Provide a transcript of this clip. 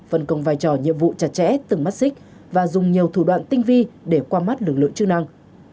phân công vai trò nhiệm vụ chặt chẽ từng mắt xích và dùng nhiều thủ đoạn tinh vi để qua mắt lực lượng chức năng